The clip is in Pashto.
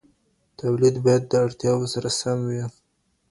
تولید باید د اړتیاوو سره سم وي.